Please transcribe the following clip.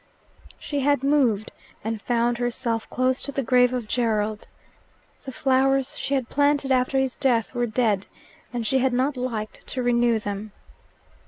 She had moved, and found herself close to the grave of Gerald. The flowers she had planted after his death were dead, and she had not liked to renew them.